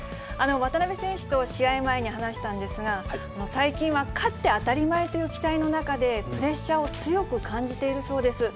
渡辺選手と試合前に話したんですが、最近は勝って当たり前という期待の中で、プレッシャーを強く感じているそうです。